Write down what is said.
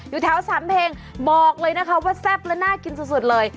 อยู่แถวสามเพลงบอกเลยนะคะว่าแซ่บและน่ากินสุดเลย